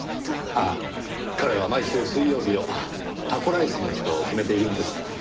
ああ彼は毎週水曜日をタコライスの日と決めているんです。